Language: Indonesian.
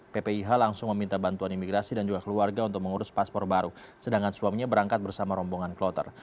ppih langsung meminta bantuan imigrasi dan juga keluarga untuk mengurus paspor baru sedangkan suaminya berangkat bersama rombongan kloter